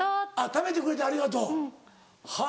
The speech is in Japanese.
「食べてくれてありがとう」は。